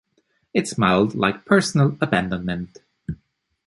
It smelled like personal abandonment.